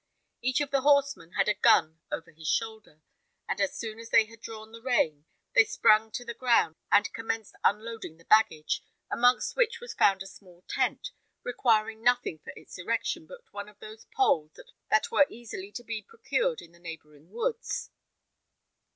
Each of the horsemen had a gun over his shoulder; and as soon as they had drawn the rein, they sprang to the ground, and commenced unloading the baggage, amongst which was found a small tent, requiring nothing for its erection but one of those poles that were easily to be procured in the neighbouring woods.